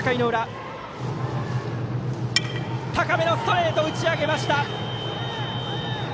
高めのストレートを打ち上げました。